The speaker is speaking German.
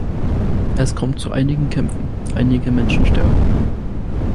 Es kommt zu einigen Kämpfen, einige Menschen sterben.